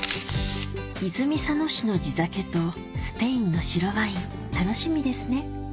泉佐野市の地酒とスペインの白ワイン楽しみですね